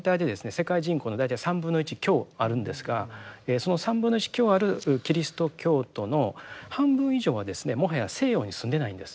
世界人口の大体３分の１強あるんですがその３分の１強あるキリスト教徒の半分以上はですねもはや西洋に住んでないんです。